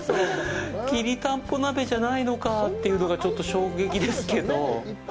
きりたんぽ鍋じゃないのかっていうのがちょっと衝撃ですけど。